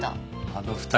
あの二人